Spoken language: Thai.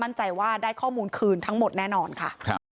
มั่นใจว่าได้ข้อมูลคืนทั้งหมดแน่นอนค่ะ